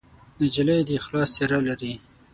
نجلۍ د اخلاص څېره لري.